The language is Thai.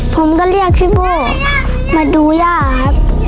ผมก็เรียกพี่บูมาดูย่าครับ